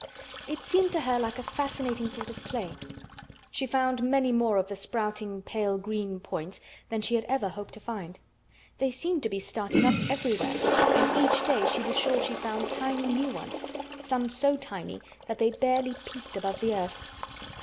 It seemed to her like a fascinating sort of play. She found many more of the sprouting pale green points than she had ever hoped to find. They seemed to be starting up everywhere and each day she was sure she found tiny new ones, some so tiny that they barely peeped above the earth.